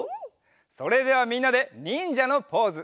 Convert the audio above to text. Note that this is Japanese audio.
それではみんなでにんじゃのポーズ。